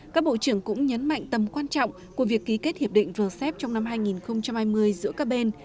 các bộ trưởng cũng nhấn mạnh tầm quan trọng của việc ký kết hiệp định vừa xếp trong năm hai nghìn hai mươi giữa các bên